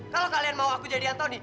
kalau kalian mau aku jadi antoni